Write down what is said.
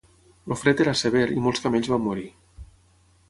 El fred era sever i molts camells van morir.